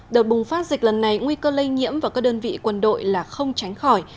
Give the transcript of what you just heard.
đợt bùng phát dịch lần này nguy cơ lây nhiễm vào các đơn vị quân đội là không tránh khỏi